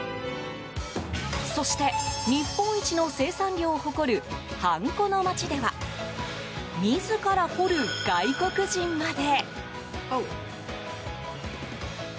そして、日本一の生産量を誇るハンコの町では自ら彫る外国人まで。